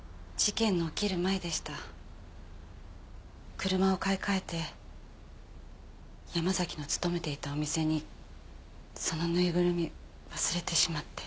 車を買い替えて山崎の勤めていたお店にそのぬいぐるみ忘れてしまって。